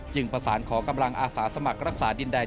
ประสานขอกำลังอาสาสมัครรักษาดินแดน